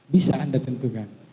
bisa anda tentukan